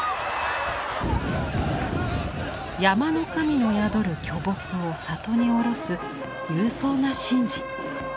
山の神の宿る巨木を里に降ろす勇壮な神事。